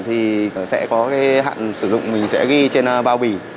thì sẽ có cái hạn sử dụng mình sẽ ghi trên bao bì